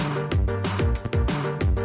aku punya ide aku punya ide